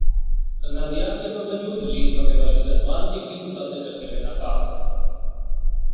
تنازعات کے باوجود ریلیز ہونے والی سلمان کی فلم متاثر کرنے میں ناکام